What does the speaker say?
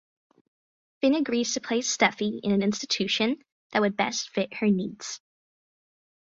Finn agrees to place Steffy in an institution that would best fit her needs.